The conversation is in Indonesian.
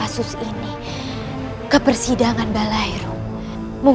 aku masih beran determining